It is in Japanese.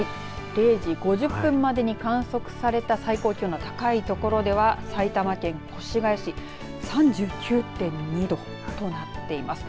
０時５０分までに観測された最高気温の高い所では埼玉県越谷市３９．２度となっています。